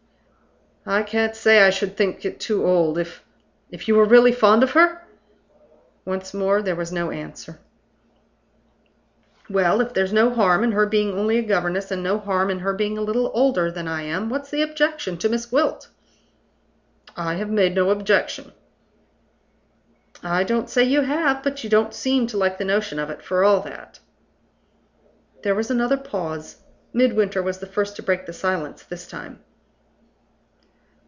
"I can't say I should think it too old, if " "If you were really fond of her?" Once more there was no answer. "Well," resumed Allan, "if there's no harm in her being only a governess, and no harm in her being a little older than I am, what's the objection to Miss Gwilt?" "I have made no objection." "I don't say you have. But you don't seem to like the notion of it, for all that." There was another pause. Midwinter was the first to break the silence this time.